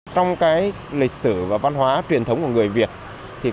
trong lịch sử và văn hóa truyền thống của người việt